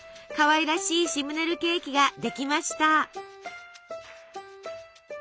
かわいらしいシムネルケーキができました。